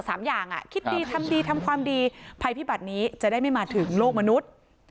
สามอย่างอ่ะคิดดีทำดีทำความดีภัยพิบัตินี้จะได้ไม่มาถึงโลกมนุษย์